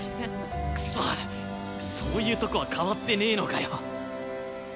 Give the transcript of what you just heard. クソッそういうとこは変わってねえのかよ。